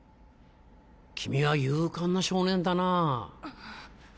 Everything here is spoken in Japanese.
君は勇敢な少年だなぁ。